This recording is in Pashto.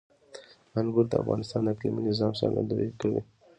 انګور د افغانستان د اقلیمي نظام ښکارندوی ده.